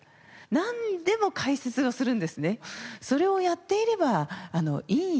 なんでも解説をするんですね。